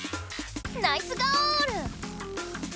ナイスゴール！